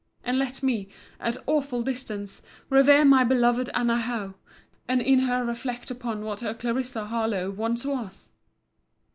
And let me, at awful distance, revere my beloved Anna Howe, and in her reflect upon what her Clarissa Harlowe once was!